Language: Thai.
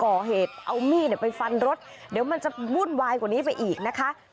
ก่อเหตุเอามีดไปฟันรถเดี๋ยวมันจะวุ่นวายกว่านี้ไปอีกนะคะ